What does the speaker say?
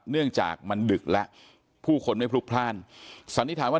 เนื่องจากมันดึกแล้วผู้คนไม่พลุกพลาดสันนิษฐานว่า